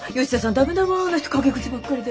ダメだわあの人陰口ばっかりで。